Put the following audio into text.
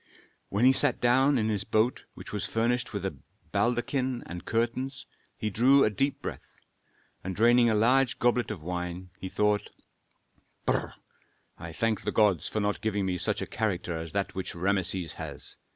When he sat down in his boat, which was furnished with a baldachin and curtains, he drew a deep breath and draining a large goblet of wine, thought, "Brr! I thank the gods for not giving me such a character as that which Rameses has.